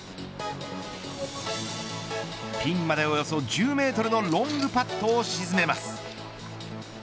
ピンまでおよそ１０メートルのロングパットを沈めます。